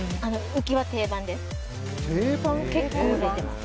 浮きは定番です。